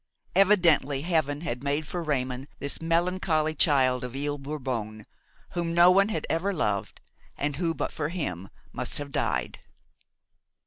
Evidently heaven had made for Raymon this melancholy child of Ile Bourbon, whom no one had ever loved, and who but for him must have died.